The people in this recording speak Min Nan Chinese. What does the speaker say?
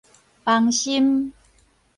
崩心